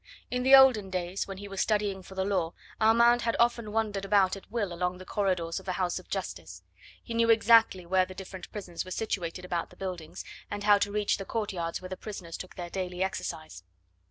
In the olden days, when he was studying for the law, Armand had often wandered about at will along the corridors of the house of Justice. He knew exactly where the different prisons were situated about the buildings, and how to reach the courtyards where the prisoners took their daily exercise.